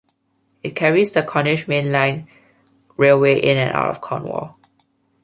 It carries the Cornish Main Line railway in and out of Cornwall.